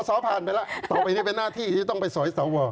สอผ่านไปแล้วต่อไปนี่เป็นหน้าที่ต้องไปสอยสอวอร์